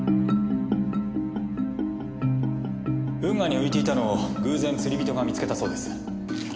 運河に浮いていたのを偶然釣り人が見つけたそうです。